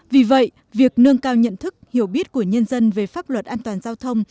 vì vậy việc nâng cao nhận thức hiểu biết của nhân dân về pháp luật an toàn giao thông